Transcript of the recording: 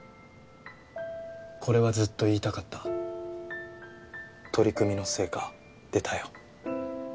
これはずっと言いたかった取り組みの成果出たよ